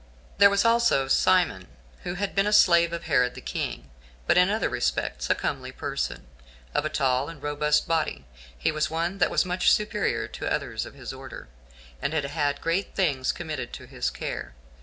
6. There was also Simon, who had been a slave of Herod the king, but in other respects a comely person, of a tall and robust body; he was one that was much superior to others of his order, and had had great things committed to his care.